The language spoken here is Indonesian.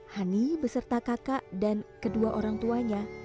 hani beserta kakak dan kedua orang tuanya